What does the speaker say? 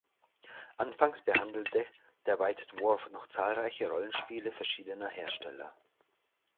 Anfangs behandelte der White Dwarf noch zahlreiche Rollenspiele verschiedener Hersteller.